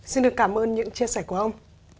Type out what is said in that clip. xin được cảm ơn những chia sẻ của ông